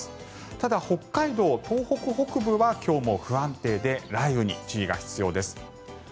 ただ、北海道、東北北部は今日も不安定で雷雨に注意が必要です。